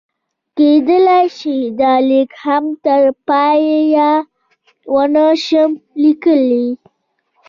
کېدای شي دا لیک هم تر پایه ونه شم لیکلی.